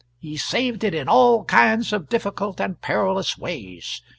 He saved it in all kinds of difficult and perilous ways.